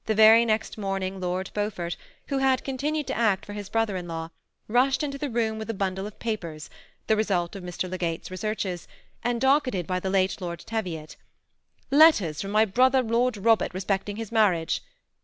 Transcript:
839 very next morning Lord Beaufort, who had continued to act for his brother in law, rushed into the room with a bundle of papers, the result of Mr. Le Geyt's re searches, and docketed by the late Lord Teviot, —" Letters from my brother Lord Robert respecting his marriage."